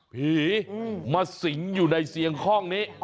ผีมาสิงอยู่ในเสียงคล่องนี้